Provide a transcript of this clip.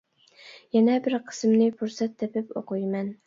يەنە بىر قىسمىنى پۇرسەت تېپىپ ئوقۇيمەن.